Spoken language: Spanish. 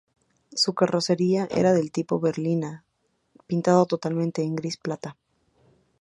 Su carrocería era de tipo berlina, pintado totalmente en gris plata.